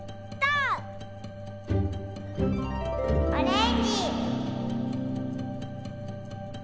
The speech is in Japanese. オレンジ！